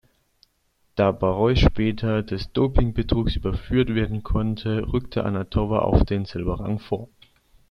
Da Barrios später des Doping-Betrugs überführt werden konnte, rückte Antonowa auf den Silberrang vor.